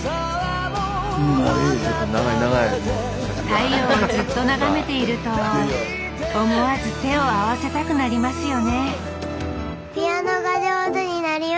太陽をずっと眺めていると思わず手を合わせたくなりますよねええ。